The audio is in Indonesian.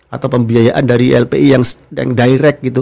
atau pembiayaan dari lpi yang direct gitu